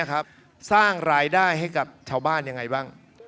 ก็ได้ชาวบ้านจะวิ่ง